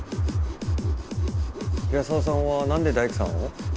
平沢さんは何で大工さんを？